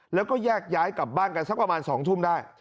แล้วก็แยกย้ายกลับบ้านกันสักประมาณ๒ทุ่มได้